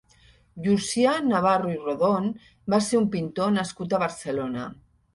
Llucià Navarro i Rodón va ser un pintor nascut a Barcelona.